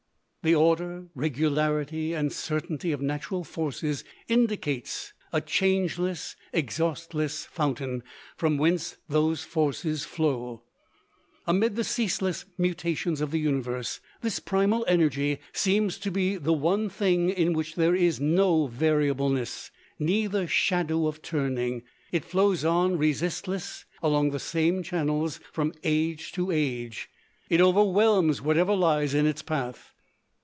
The order, regularity and certainty of natural forces indicates a changeless, exhaustless fountain from whence those forces flow. Amid the ceaseless mutations of the universe, this primal energy seems to be the one thing in which there is "no variableness, neither shadow of turning." It flows on resistless along the same channels from age to age. It overwhelms whatever lies in its path.